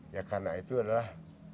ya karena itu adalah